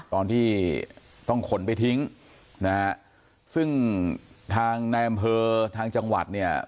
ตอนที่ต้องขนไปทิ้งนะฮะซึ่งทางในอำเภอทางจังหวัดเนี่ย